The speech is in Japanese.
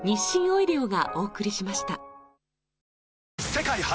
世界初！